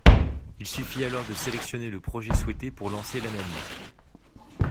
Il suffit alors de sélectionner le projet souhaité pour lancer l’analyse